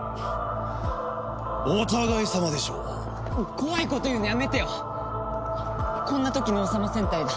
怖いこと言うのやめてよ！こんな時の王様戦隊だ。